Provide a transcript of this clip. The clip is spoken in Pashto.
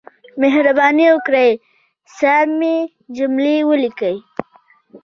مهرباني وکړئ، سمې جملې وليکئ!